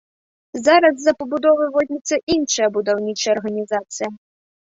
Зараз за пабудовы возьмецца іншая будаўнічая арганізацыя.